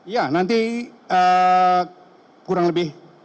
ya nanti kurang lebih